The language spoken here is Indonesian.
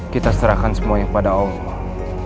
kita serahkan semuanya kepada allah